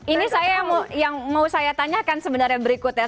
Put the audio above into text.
ini saya yang mau saya tanyakan sebenarnya berikut ya